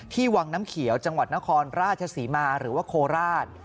วังน้ำเขียวจังหวัดนครราชศรีมาหรือว่าโคราช